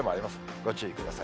ご注意ください。